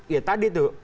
ya tadi tuh